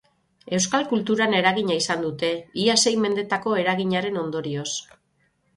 Euskal kulturan eragina izan dute, ia sei mendetako eraginaren ondorioz.